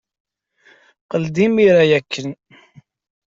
Qqel-d imir-a ya kan.